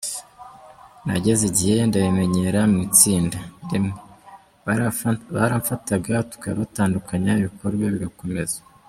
Nageze igihe ndabimenyera mu itsinda, rimwe barafatanaga tukabatandukanya ibikorwa bigakomeza.